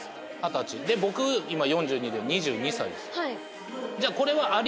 で僕今４２で２２歳です。